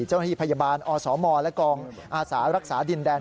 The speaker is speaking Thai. เจ้าหน้าที่พยาบาลอสมและกองอาสารักษาดินแดน